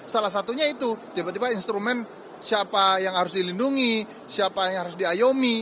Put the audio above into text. salah satunya itu tiba tiba instrumen siapa yang harus dilindungi siapa yang harus diayomi